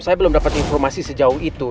saya belum dapat informasi sejauh itu